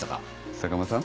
坂間さん。